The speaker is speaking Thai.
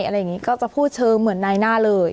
อะไรอย่างนี้ก็จะพูดเชิงเหมือนนายหน้าเลย